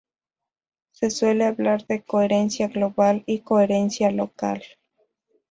Se suele hablar de coherencia global, y coherencia local.